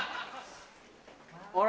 あれ？